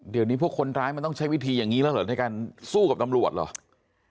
เดี๋ยวนี้พวกคนร้ายมันต้องใช้วิธีอย่างนี้แล้วเหรอในการสู้กับตำรวจเหรอ